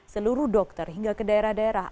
seluruh dokter hingga ke daerah daerah